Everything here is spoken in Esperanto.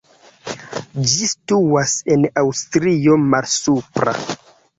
Ĝi situas en Aŭstrio Malsupra.